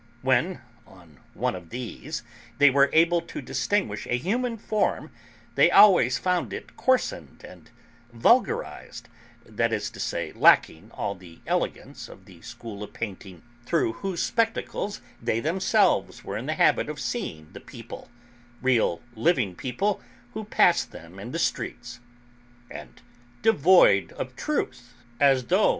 When, on one of these, they were able to distinguish a human form, they always found it coarsened and vulgarised (that is to say lacking all the elegance of the school of painting through whose spectacles they themselves were in the habit of seeing the people real, living people, who passed them in the streets) and devoid of truth, as though M.